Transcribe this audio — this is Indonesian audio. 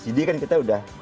jadi kan kita udah